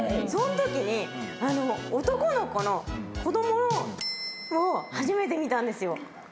そんときに男の子の子供のを初めて見たんですよ。